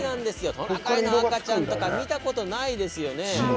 トナカイの赤ちゃんなんて見たことないですよね。